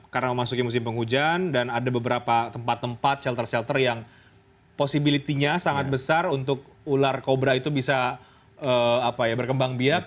karena memasuki musim penghujan dan ada beberapa tempat tempat shelter shelter yang possibility nya sangat besar untuk ular kobra itu bisa berkembang biak